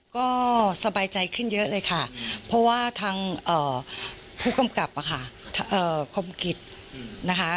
ก็สบายใจขึ้นเยอะเลยค่ะเพราะว่าทางผู้กำกับคมกิจนะคะ